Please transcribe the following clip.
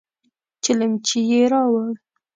چلمچي يې راووړ.